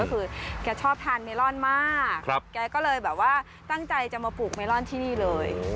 ก็คือแกชอบทานเมลอนมากแกก็เลยแบบว่าตั้งใจจะมาปลูกเมลอนที่นี่เลย